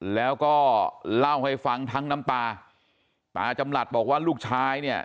แล้วก็เล่าให้ฟังทั้งน้ำตาตาจำหลัดบอกว่าลูกชายเนี่ย